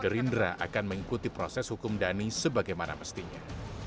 gerindra akan mengikuti proses hukum dhani sebagaimana mestinya